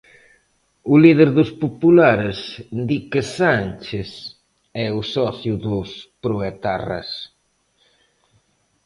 O líder dos populares di que Sánchez é o socio dos proetarras.